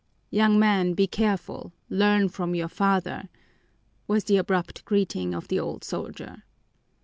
"Young man, be careful! Learn from your father!" was the abrupt greeting of the old soldier.